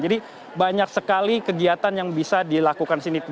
jadi banyak sekali kegiatan yang bisa dilakukan di sini